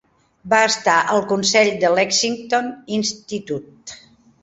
Va estar al consell del Lexington Institute.